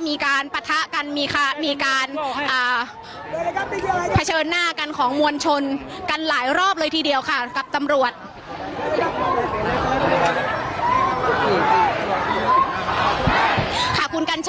ปะทะกันมีการเผชิญหน้ากันของมวลชนกันหลายรอบเลยทีเดียวค่ะกับตำรวจ